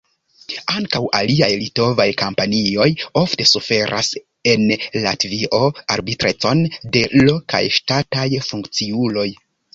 Ankaŭ aliaj litovaj kompanioj ofte suferas en Latvio arbitrecon de lokaj ŝtataj funkciuloj.